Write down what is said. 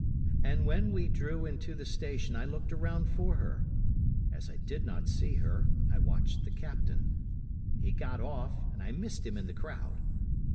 And when we drew into the station I looked around for her. As I did not see her, I watched the Captain. He got off, and I missed him in the crowd.